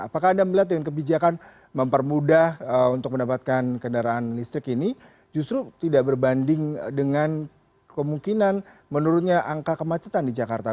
apakah anda melihat dengan kebijakan mempermudah untuk mendapatkan kendaraan listrik ini justru tidak berbanding dengan kemungkinan menurunnya angka kemacetan di jakarta